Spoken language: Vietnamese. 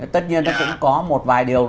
tất nhiên nó cũng có một vài điều